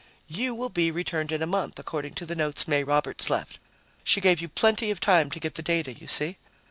"You will be returned in a month, according to the notes May Roberts left. She gave you plenty of time to get the data, you see.